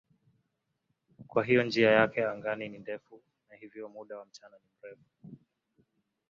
Kwa hiyo njia yake angani ni ndefu na hivyo muda wa mchana ni mrefu.